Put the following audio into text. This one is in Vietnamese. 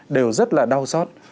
đều rất là đau xót